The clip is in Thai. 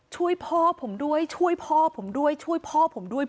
ช่วยพ่อผมด้วยช่วยพ่อผมด้วยช่วยพ่อผมด้วย